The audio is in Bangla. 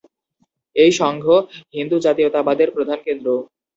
এই সংঘ হিন্দু জাতীয়তাবাদের প্রধান কেন্দ্র।